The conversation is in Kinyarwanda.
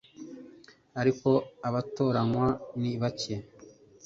ariko abatoranywa ni bake